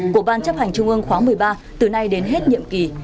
của ban chấp hành trung ương khóa một mươi ba từ nay đến hết nhiệm kỳ